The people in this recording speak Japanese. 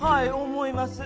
思います。